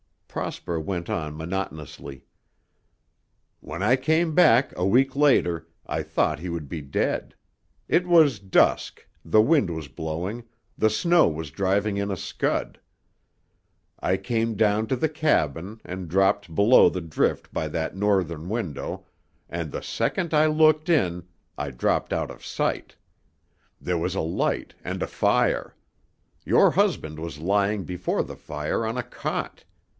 Prosper went on monotonously. "When I came back a week later, I thought he would be dead. It was dusk, the wind was blowing, the snow was driving in a scud. I came down to the cabin and dropped below the drift by that northern window, and, the second I looked in, I dropped out of sight. There was a light and a fire. Your husband was lying before the fire on a cot.